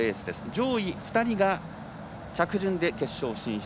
上位２人が着順で決勝進出。